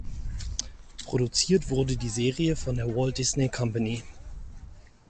Produziert wurde die Serie von der Walt Disney Company.